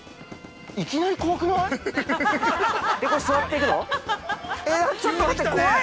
いきなり怖くない？